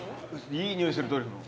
いい匂いするトリュフの。